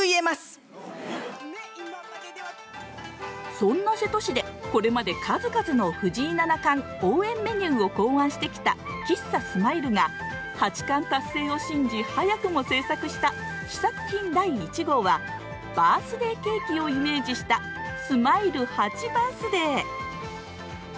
そんな瀬戸市で、これまで数々の藤井七冠応援メニューを考案してきた喫茶スマイルが八冠達成を信じ、早くも制作した試作品第１号はバースデーケーキをイメージしたスマイル８バースデー。